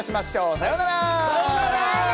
さようなら！